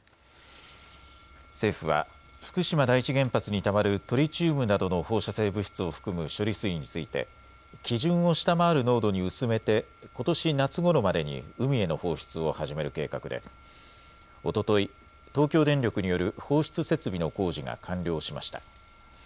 政府は福島第一原発にたまるトリチウムなどの放射性物質を含む処理水について基準を下回る濃度に薄めてことし夏ごろまでに海への放出を始める計画でおととい、東京電力による放出設備の工事が完了しました。